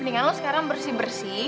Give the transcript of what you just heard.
mendingan lo sekarang bersih bersih